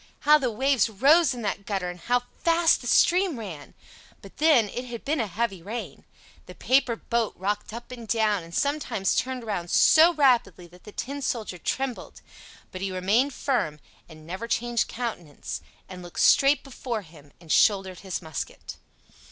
how the waves rose in that gutter, and how fast the stream ran! But then it had been a heavy rain. The paper boat rocked up and down, and sometimes turned round so rapidly that the Tin Soldier trembled; but he remained firm and never changed countenance, and looked straight before him, and shouldered his musket.